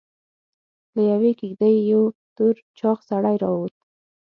له يوې کېږدۍ يو تور چاغ سړی راووت.